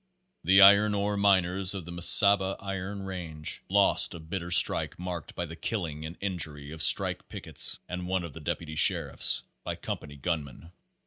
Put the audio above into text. The iron ore miners of the Mesaba Iron Range lost a bitter strike marked by the killing and injury of strike pickets and one of the deputy sheriffs, by com pany gunmen.